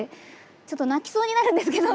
ちょっと泣きそうになるんですけど。